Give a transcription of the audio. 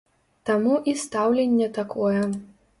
Таму і стаўленне такое.